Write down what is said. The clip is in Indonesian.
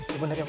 ya benar ya om